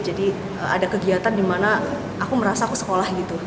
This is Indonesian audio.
ada kegiatan dimana aku merasa aku sekolah gitu